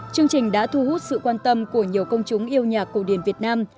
chương trình đã thu hút sự quan tâm của nhiều công chúng yêu nhạc cổ điển việt nam